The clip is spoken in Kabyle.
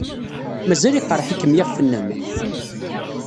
Mazal yeqreḥ-ikem yiɣef-nnem?